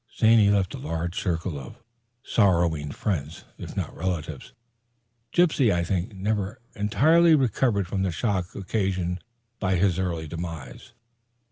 Zany left a large circle of sorrowing friends, if not relatives. Gypsy, I think, never entirely recovered from the shock occasioned by his early demise.